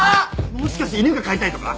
もしかして犬が飼いたいとか？